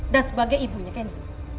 dan sebagai ibunya kenzo